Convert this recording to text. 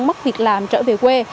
mất việc làm trở về quê